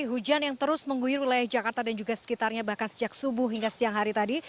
hujan yang terus mengguyur wilayah jakarta dan juga sekitarnya bahkan sejak subuh hingga siang hari tadi